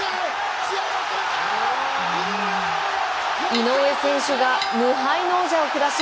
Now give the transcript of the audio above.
井上選手が無敗の王者を下し